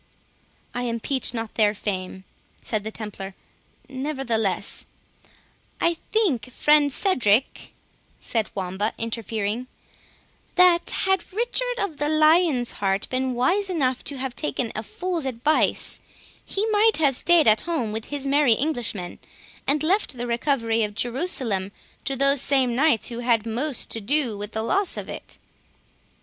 "I impeach not their fame," said the Templar; "nevertheless— " "I think, friend Cedric," said Wamba, interfering, "that had Richard of the Lion's Heart been wise enough to have taken a fool's advice, he might have staid at home with his merry Englishmen, and left the recovery of Jerusalem to those same Knights who had most to do with the loss of it."